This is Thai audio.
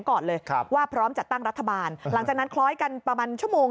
ก็ออกมาทะแหลงเลยนะ